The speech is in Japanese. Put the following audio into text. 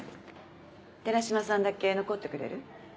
寺島さんだけ残ってくれる？